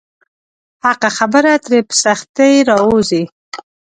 حقه خبره ترې په سختۍ راووځي.